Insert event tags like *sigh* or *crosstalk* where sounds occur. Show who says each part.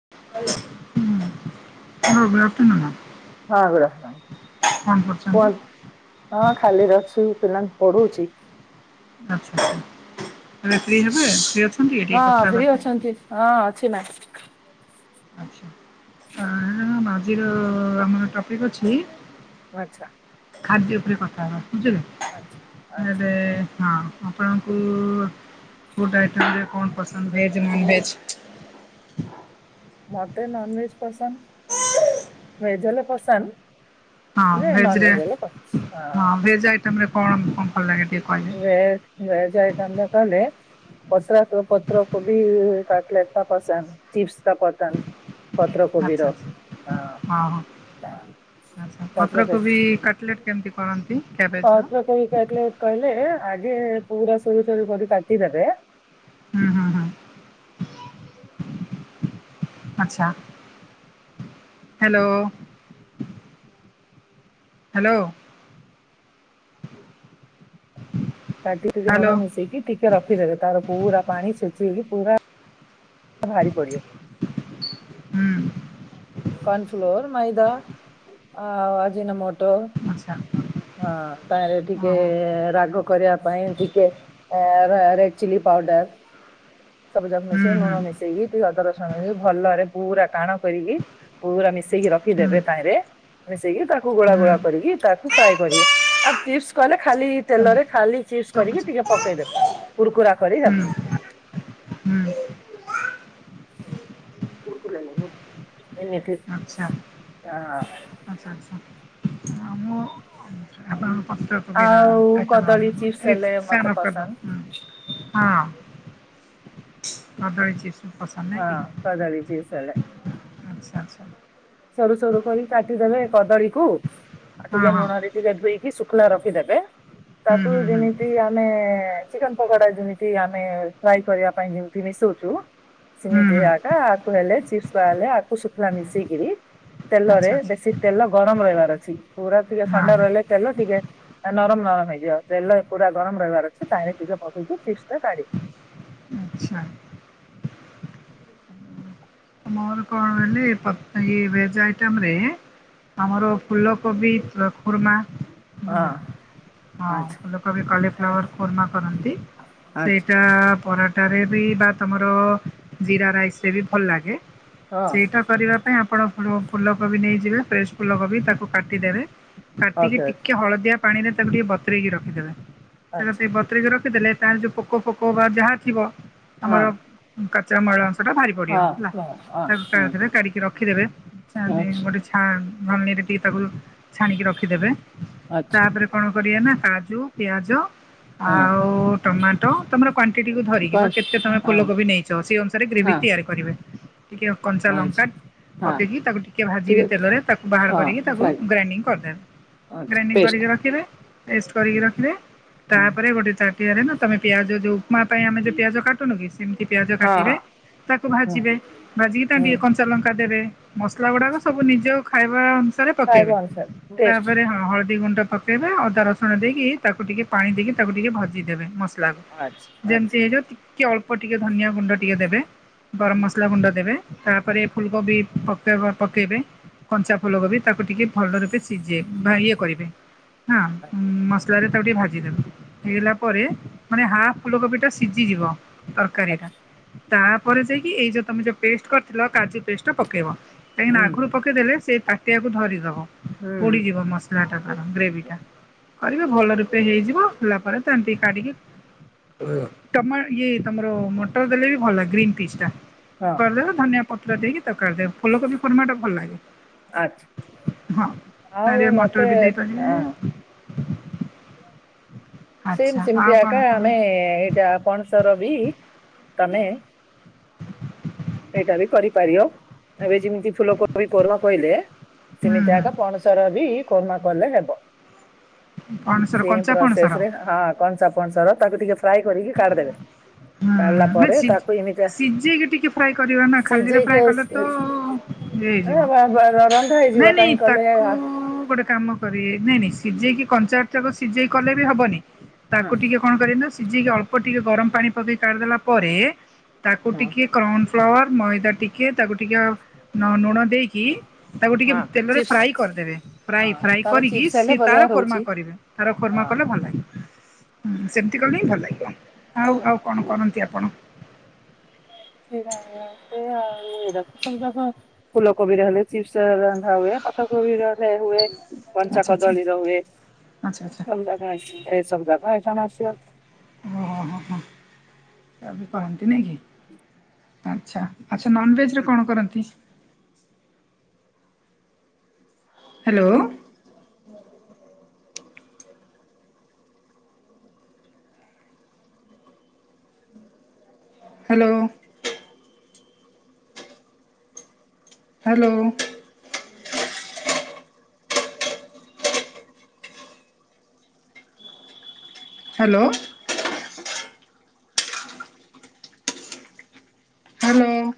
Speaker 1: *inaudible* ହୁଁ
Speaker 2: *unintelligible*
Speaker 1: କଣ
Speaker 2: କୁହନ୍ତୁ
Speaker 1: କରୁଛନ୍ତି?
Speaker 2: ହଁ ଖାଲିରେ ଅଛି ମୁଁ ପିଲାଙ୍କୁ ପଢ଼ଉଛି
Speaker 1: ଆଛା ସକାଳେ ଫ୍ରି ହେବେ ଅଛନ୍ତି ଟିକେ
Speaker 2: ହଁ
Speaker 1: କଥା ହେବା
Speaker 2: ଫ୍ରି
Speaker 1: ପାଇଁ
Speaker 2: ଅଛନ୍ତି ହଁ ଅଛି ନା
Speaker 1: ଆଛା ଆଁ ଆଜିିର ଆମର ଟପିକ ଅଛି
Speaker 2: ଆଛା
Speaker 1: ଖାଦ୍ୟ ଉପରେ କଥା ହେବା ବୁଝିଲ
Speaker 2: ଆଚ୍ଛା।
Speaker 1: ଏବେ ହଁ ଆପଣଙ୍କୁ ଫୁଡ୍ ଆଇଟମରେ କଣ ପସନ୍ଦ ଭେଜ ନନ୍ ଭେଜ
Speaker 2: ମୋତେ ନନ୍ ଭେଜ ପସନ୍ଦ ଭେଜ୍ ହେଲେ ପସନ୍ଦ
Speaker 1: ହଁ ଭେଜରେ ହଁ ଭେଜ ଆଇଟମରେ କଣ କଣ ଭଲ ଲାଗେ ଟିକେ କହିବେ?
Speaker 2: ଭେଜ ଭେଜ ଆଇଟମରେ କହିଲେ ପଶରାତ ପତ୍ର କବି କଟଲେଟ୍ ଟା ପସନ୍ଦ ଚିପ୍ସ କା ପସନ୍ଦ ପତ୍ର
Speaker 1: ଆଚ୍ଛା
Speaker 2: କୋବିର
Speaker 1: ଆଚ୍ଛା
Speaker 2: ଆ, *unintelligible*
Speaker 1: ଆଛା ପତ୍ର କୋବି କଟଲେଟ୍ କେମତି କରନ୍ତି? କ୍ୟାବେଜର?
Speaker 2: ପତ୍ର କବି କଟଲେଟ୍ କହିଲେ ଆଗେ ପୁରା ସରୁ ସରୁ କରି କାଟିଦେବେ।
Speaker 1: ହୁଁ, ହୁଁ, ହୁଁ। ଆଚ୍ଛା, ହ୍ୟାଲୋ। ହାଲୋ।
Speaker 2: କାଟିକି ଲୁଣ ମିଶେଇକି ଟିକେ ରଖିଦେବେ ତାର ପୁରା ପାଣି ସେ ସିଏ କି ପୁରା ବାହାରି ପଡ଼ିବ।
Speaker 1: ହୁଁ,
Speaker 2: କନ୍ ଫ୍ଲୋର ମଇଦା ଆଉ ଆଜିିନ ମୋଟୋ।
Speaker 1: ଆଚ୍ଛା।
Speaker 2: ହଁ ତାହିଁରେ ଟିକେ ରାଗ କରିବା ପାଇଁ ଟିକେ ଏ ରେ-ରେଡ ଚିଲି ପାଉଡର। ଆ ସବୁ ଯାକ ମିଶେଇ ଲୁଣ ମିଶେଇକି ଟିକେ ଅଦା ରସୁଣ ଭଲରେ ପୁରା ଟାଣ କରିକି ପୁରା ତା ମିଶେଇକି ରଖିଦେବେ ତାହିଁରେ। ମିଶେଇକି ତାକୁ ଗୋଳା ଗୋଳା କରିକି। ତା ଫ୍ରାଏ କରିବେ। ଆଉ ଚିପ୍ସ କଲେେ ଖାଲି ତେଲରେ ଖାଲି ଚିପ୍ସ କରିକି ଟିକେ ପକେଇଦେବେ। କୁରୁକୁରା କରିଦବ।
Speaker 1: ହୁଁ।
Speaker 2: କୁରୁକୁରା ଲାଗିବ ଏମିତି।
Speaker 1: ଆଚ୍ଛା।
Speaker 2: ଏ ଅଁ,
Speaker 1: ଆଚ୍ଛା। ପତ୍ର କୋବିର
Speaker 2: ଆଉ
Speaker 1: ଆଇଟମ
Speaker 2: କଦଳୀ
Speaker 1: ହବ।
Speaker 2: ଚିପ୍ସ
Speaker 1: ଏ
Speaker 2: ହେଲେ
Speaker 1: ସେମ୍
Speaker 2: ମତେ
Speaker 1: ଅଫ୍ କରିଦବ
Speaker 2: ପସନ୍ଦ
Speaker 1: ହୁଁ, ହଁ। କଦଳୀ ଚିପ୍ସ। ପସନ୍ଦ ନାଇ
Speaker 2: ହଁ
Speaker 1: କି?
Speaker 2: କଦଳୀ ଚିପ୍ସ ହେଲେ
Speaker 1: ଆଚ୍ଛା, ଆଚ୍ଛା।
Speaker 2: ସରୁ ସରୁ କରି କାଟିଦେବେ କଦଳୀ କୁ ଆଉ ଟିକେ ଲୁଣ ଦେଇକି ଦେ ଧୋଇ ଶୁଖୁଲା ରଖିଦେବେ। ତାକୁ ଯେମିତି ଆମେ ଚିକେନ୍ ପକୋଡା ଯେମିତି ଆମେ ଫ୍ରାଏ କରିବା ପାଇଁ ଯେମତି ମିଶ ସୁଉଠୁ ସେମିତି ଆକା ଆକୁୁ ନେଲେ ଚିପ୍ସ କରାହେଲେ ଆକୁ ଶୁଖିଲା ମିଶିଇକିରି ତେଲରେ ବେଶୀ ତେଲ ଗରମ ରହିବାର ଅଛି। ପୁରା ଟିକେ ଥଣ୍ଡା ରହିଲେ ତେଲ ଟିକେ ଏ ନରମ ନରମ ହେଇଯିବ। ତେଲ ପୁରା ଗରମ ରହିବାର ଅଛି ତାହିଁରେ ଟିକେ ପକେଇକି ଚିପ୍ସ ଟା କାଢି
Speaker 1: ଆଚ୍ଛା। ନହେଲେ ଏ ପ ଇଏ ଭେଜ୍ ଆଇଟମ ରେ ଆମର ଫୁଲକୋବି ର କୁର୍ମା।
Speaker 2: ହଁ।
Speaker 1: ହଁ
Speaker 2: ଆଚ୍ଛା
Speaker 1: ଫୁଲକୋବି କଲିଫ୍ଲାୱାର କୁର୍ମା କରନ୍ତି। ସେଇଟା ପରା ତରେ ବି ବା ତୋମର ଜିରା ରାଇସ୍ ରେ ବି ଭଲ ଲାଗେ। ସେଇଟା କରିବା ପାଇଁ ଆପଣ ଫୁ-ଫୁଲକୋବି ନେଇଯିବେ ଫ୍ରେସ୍ ଫୁଲକୋବି ତାକୁ କାଟିଦେବେ। କାଟିକି ଟିକେ ହଳଦିଆ ପାଣିରେ ତାକୁ ଟିକେ ବତରେଇକି ରଖିଦେବେ। ସେଟା ଟିକେ ବତରିକି ର ଖିଦେଲେ ତାର ଯୋଉ ପୋକ ଫୋକ ବା ଯାହା ଥିବ ଆମର କାଚାମାଳ ସେଟା ଭାରି ପଡିବ ହେଲା। *unintelligible* ତା ଧିରେ କାଢିକି ରଖିଦେବେ। ଛାନ୍ଦିନ୍ ଗୋଟେ ଛାନ୍ ନହନେ ଏଇଟା ଟିକେ ତାକୁ ଛାଣିକି ରଖିଦେବେ। ତାପରେ କଣ କରିବେ ନା କାଜୁ ପିଆଜ ଆଉ ଟମାଟୋ ତୋମର କୁଆଣ୍ଟିଟି କୁ ଧରିକି ବା କେତେ ତୋମେ ଫୁଲକୋବି ନେଇଚ ସେଇ ଅନୁସାରେ ଗ୍ରେ ଗେଭି ତିଆରି କରିବେ। ଟିକେ କଞ୍ଚା ଲଙ୍କା ପକେଇକି ତାକୁ ଟିକେ ଭାଜିବେ ତେଲରେ ତାକୁ ବାହାର କରିକି ତାକୁ ଗ୍ରାଇଣ୍ଡିଙ୍ଗ କରିଦେବେ। ଗ୍ରାଇଣ୍ଡିଙ୍ଗ କରିକି ରଖିବେ। ପେଷ୍ଟ କରିକି ରଖିବେ। ତାପରେ ଗୋଟେ ତା ଟିଆରେ ନା ତୋମେ ପିଆଜ ଯୋଉ ମା ପାଇଁ ଆମେ ଯେ ପିଆଜ କାଟୁନୁକି ସେମିତି ପିଆଜ କାଟିବେ ତାକୁ ଭାଜିବେ। ଭାଜିକି ତା ଟିକେ କଞ୍ଚା ଲଙ୍କା ଦେବେ। ମସଲା ଗୁଡ଼ାକ ସବୁ ନିଜ ଖାଇବା ଅନୁ ଥରେ ପକେଇବେ ତାପରେ ହଁ ହଳଦି ଗୁଣ୍ଡ ପକାଇବେ ଅଦା ରସୁଣ ଦେଇକି ତାକୁ ଟିକେ ପାଣି ଦେଇକି ତାକୁ ଟିକେ ଭଜିଦେବେ ମସ୍ ଲାଗୁ ଯେମତି ହେଇଯିବ ଟିକେ ଅଳ୍ପ ଟିକେ ଧନିଆ ଗୁଣ୍ଡ ଟିକେ ଦେବେ ଗରମ ମସଲା ଗୁଣ୍ଡ ଦେବେ ତାପରେ ଫୁଲକୋବି ପକାଇବା ପଳେଇବେ କଞ୍ଚା ଫୁଲ କୋବି ତାକୁ ଟିକେ ଭଲ ରୂପେ ସିଝେବେ ବା ଇଏ କରିବେ ହଁ ରେ ତାକୁ ଟିକେ ଭାଜିଦେବେ ହେଇଗଲା ପରେ ମାନେ ହାଫ ଫୁଲକୋବି ଟା ସିଜିଯିବ ତରକାରୀ ଟା ତାପରେ ଯାଇକି ଏଇ ଯୋଉ ତମେ ଯୋଉ ପେଷ୍ଟ କରିଥିଲ କାଜୁ ପେଷ୍ଟ ପକେଇବ କାହିଁକିନା ଆଗରୁ ପକେଇ ଦେଲେ ସେଇ ତାଟିଆକୁ ଧରିଦବ ପୋଡିଯିବ ମସଲା ଟା ତାର ଗ୍ରେଭି ଟା କରିବେ ଭଲରେ ପେଲି ହେଇଯିବ ହେଲା ପରେ ତମେ ଟିକେ କାଢିକି ତମର ଇଏ ତମର ମଟର ଦେଲେ ବି ଭଲ ଗ୍ରୀନ୍ ପିସ୍ ଟା କରି ଦେବେ ଧନିଆ ପତ୍ର ଦେଇକି ତାକୁ କାଢି ଦେବେ ଫୁଲକୋବି କୁର୍ମା ଟା ଭଲ ଲାଗେ ହଁ
Speaker 2: ଆଉ
Speaker 1: ତାରେ ଇଏ
Speaker 2: ମତେ
Speaker 1: ମଟର ବି ଦେଇପାରିବେ
Speaker 2: ସେମ
Speaker 1: ଆଚ୍ଛା
Speaker 2: ସେମିତି
Speaker 1: ଆଉ କଣ
Speaker 2: ଆକା
Speaker 1: କଣ
Speaker 2: ଆମେ ଏଇଟା ପଣସର ବି ତମେ ଏଇଟା ବି କରିପାରିବ ଏବେ ଜିମିତି ଫୁଲୋ କୋବି କରବ କହିଲେ।
Speaker 1: ହୁଁ
Speaker 2: ସେମିତି ଆକା ପଣସର ବି କୋର୍ମା କଲେ ହେବ।
Speaker 1: ହୁଁ ପଣସର
Speaker 2: ସେ
Speaker 1: କଞ୍ଚା ପଣସର
Speaker 2: ପ୍ରସେସ
Speaker 1: ହୁଁ
Speaker 2: ରେ ହଁ କଞ୍ଚା ପଣଷର
Speaker 1: ହଁ
Speaker 2: କାଢିଲା
Speaker 1: ହଁ ନା
Speaker 2: ପରେ
Speaker 1: ସି
Speaker 2: ତାକୁ ଏମିତିଆ
Speaker 1: ସିଝେଇକି ଟିକେ ଫ୍ରାଏ କରିବା ନା ଖାଲିରେ
Speaker 2: ସିଝେଇକି
Speaker 1: ଫ୍ରାଏ କଲେ ତ ହେଇଯିବ
Speaker 2: ରନ୍ଧା ହେଇଯିବ
Speaker 1: ନାଇଁ ନାଇଁ
Speaker 2: କାହିଁ କଲେ
Speaker 1: ତାକୁ
Speaker 2: ହଁ
Speaker 1: ଗୋଟେ କାମ କରିବେ ନାଇଁ ନାଇ ସିଝେଇକି କଞ୍ଚାଟାକ ସିଝେଇ କଲେ ବି ହବନି ତାକୁ ଟିକେ କଣ କରିବ ନା ସିଝେଇକିଳ ଅଳ ଅଳ୍ପ ଟିକେ ଗରମ ପାଣି ପକେଇ କାଢିଦେଲା ପରେ ତାକୁ
Speaker 2: ହଁ
Speaker 1: ଟିକେ କନ ଫ୍ଲାୱାର୍ ମଇଦା ଟିକିଏ ତାକୁ ଟିକିେ ନ ଲୁଣ ଦେଇକି ତାକୁ ଟିକେ
Speaker 2: ହଁ
Speaker 1: ତେଲରେ
Speaker 2: ଚିପ୍ସ
Speaker 1: ଫ୍ରାଇ କରିଦେବେ ଫ୍ରାଇ
Speaker 2: ହଁ
Speaker 1: ଫ୍ରାଇ
Speaker 2: ତାର
Speaker 1: କରିକି
Speaker 2: ଚିପ୍ସ ହେଲେ
Speaker 1: ସି
Speaker 2: ବଢିଆ
Speaker 1: ତାର କୋର୍ମା
Speaker 2: ରହୁଛି
Speaker 1: କରିବେ ତାର କୋମା
Speaker 2: ହଁ।
Speaker 1: କଲେ ଭଲ ଲାଗେ ହୁଁ ସେମିତି କଲେ ହିଁ ଭଲ ଲାଗିବ ଆଉ ଆଉ କଣ କରନ୍ତି ଆପଣ?
Speaker 2: ଉଇା ସେଇଏ ଏ ପତ୍ରଗୁଡାକ ଫୁଲକୋବି ର ହେଲେ ଚିପ୍ସ ରନ୍ଧା ହୁଏ ପାଠକୋବି ର ସେ ହୁଏ କଞ୍ଚା
Speaker 1: ଆଚ୍ଛା ଆଚ୍ଛା
Speaker 2: କଦଳୀ ର ହୁଏ
Speaker 1: ଆଚ୍ଛା ଆଚ୍ଛା
Speaker 2: ସମା କ ସମା କସା ମା *unintelligible*
Speaker 1: ହୁଁ ହୁଁ ବି କହନ୍ତି ନାଇ କି ଆଚ୍ଛା ଆଚ୍ଛା ନନଭେଜରେ କଣ କରନ୍ତି hello. Hello. Hello. Hello. Hello